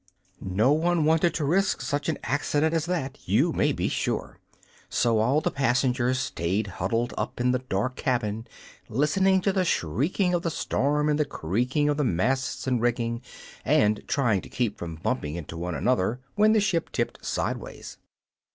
No one wanted to risk such an accident as that, you may be sure; so all the passengers stayed huddled up in the dark cabin, listening to the shrieking of the storm and the creaking of the masts and rigging and trying to keep from bumping into one another when the ship tipped sidewise.